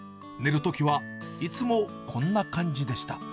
寝るときはいつもこんな感じでした。